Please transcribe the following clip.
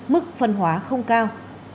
mức phân hóa không cao